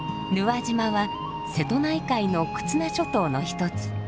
和島は瀬戸内海の忽那諸島の一つ。